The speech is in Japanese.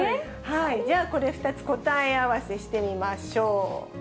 じゃあこれ、２つ答え合わせしてみましょう。